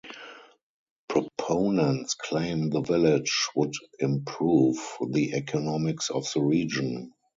Proponents claim the "Village" would improve the economics of the region.